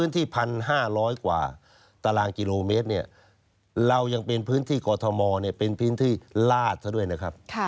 ที่ลาดเท่าด้วยนะครับ